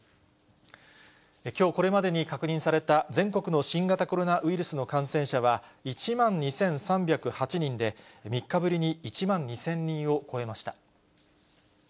きょうこれまでに確認された全国の新型コロナウイルスの感染者は１万２３０８人で、３日ぶりに１万２０００人を超えました。